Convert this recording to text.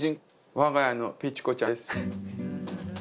我が家のペチコちゃんです。